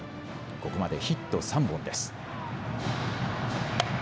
ここまでヒット３本です。